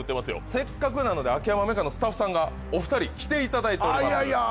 せっかくなので秋山メカのスタッフさんがお二人来ていただいておりますあ